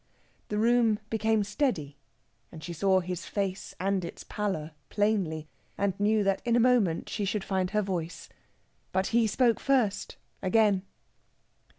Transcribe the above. The room became steady, and she saw his face and its pallor plainly, and knew that in a moment she should find her voice. But he spoke first, again.